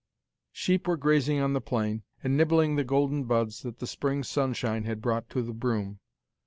Sheep were grazing on the plain, and nibbling the golden buds that the spring sunshine had brought to the broom.